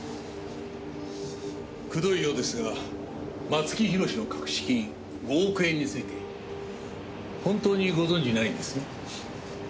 くどいようですが松木弘の隠し金５億円について本当にご存じないんですね？